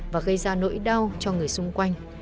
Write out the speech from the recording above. và gây ra nỗi đau cho người xung quanh